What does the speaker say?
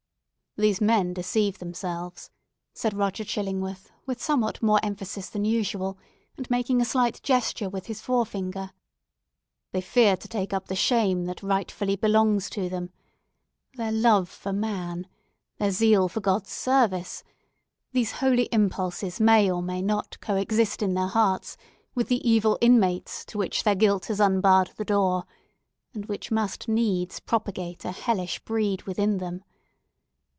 "These men deceive themselves," said Roger Chillingworth, with somewhat more emphasis than usual, and making a slight gesture with his forefinger. "They fear to take up the shame that rightfully belongs to them. Their love for man, their zeal for God's service—these holy impulses may or may not coexist in their hearts with the evil inmates to which their guilt has unbarred the door, and which must needs propagate a hellish breed within them.